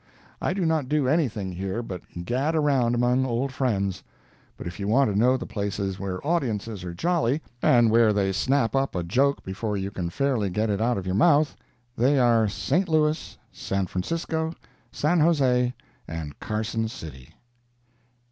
I do not do anything here but gad around among old friends. But if you want to know the places where audiences are jolly, and where they snap up a joke before you can fairly get it out of your mouth, they are St. Louis, San Francisco, San Jose and Carson City.